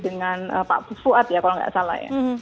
dengan pak fuad ya kalau gak salah ya